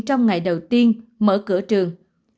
trong ngày đầu tiên mở cửa trường